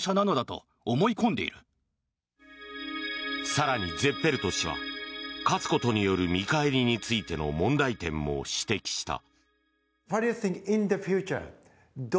更にゼッペルト氏は勝つことの見返りについての問題点も指摘した。